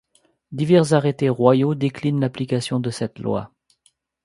Divers arrêtés royaux déclinent l'application de cette loi.